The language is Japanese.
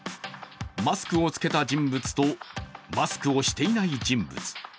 マスクをつけた人物と、マスクをしていない人物。